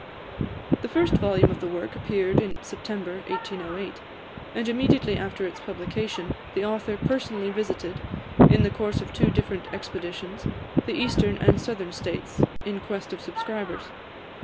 The first volume of the work appeared in September 1808, and immediately after its publication the author personally visited, in the course of two different expeditions, the Eastern and Southern States, in quest of subscribers.